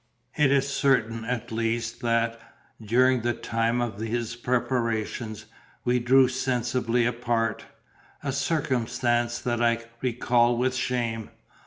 It is certain at least that, during the time of his preparations, we drew sensibly apart a circumstance that I recall with shame.